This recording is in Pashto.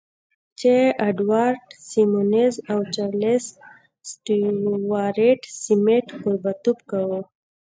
جې اډوارډ سيمونز او چارليس سټيوارټ سميت کوربهتوب کاوه.